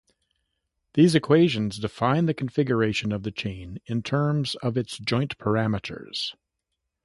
These equations define the configuration of the chain in terms of its joint parameters.